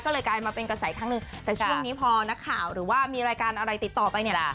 ก็เลยกลายมาเป็นกระแสครั้งหนึ่งแต่ช่วงนี้พอนักข่าวหรือว่ามีรายการอะไรติดต่อไปเนี่ยล่ะ